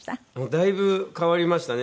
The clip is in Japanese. だいぶ変わりましたね。